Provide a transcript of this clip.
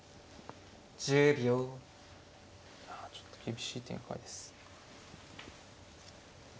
いやちょっと厳しい展開です。